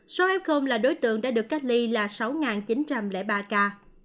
số f là đối tượng đã được cách ly là sáu chín trăm linh ba ca